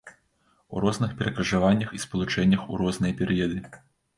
У розных перакрыжаваннях і спалучэннях у розныя перыяды.